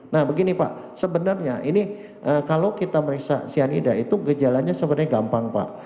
nah begini pak sebenarnya ini kalau kita meriksa cyanida itu gejalanya sebenarnya gampang pak